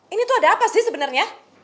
ini tuh ada apa sih sebenarnya